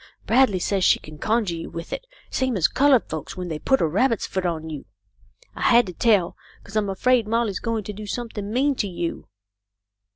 Bradley says she can conjure you with it, same as coloured folks when they put a rabbit's foot on you. I had to tell, 'cause I'm afraid Molly's going to do something mean to you."